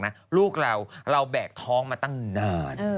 ลูกเราเราแบกท้องมาตั้งนาน